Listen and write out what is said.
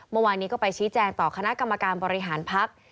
เมื่อวานนี้ก็ไปชี้แจงต่อคณะกรรมการบริหารพัก